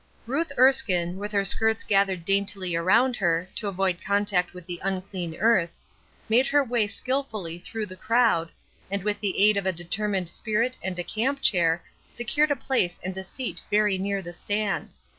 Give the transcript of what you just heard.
Ruth Erskine, with her skirts gathered daintily around her, to avoid contact with the unclean earth, made her way skill fully through the crowd, and with the aid of a determined spirit and a camp chair secured a place and a seat very near the stand.